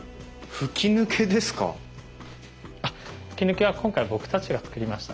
吹き抜けは今回僕たちが造りました。